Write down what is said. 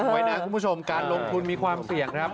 ไว้นะคุณผู้ชมการลงทุนมีความเสี่ยงครับ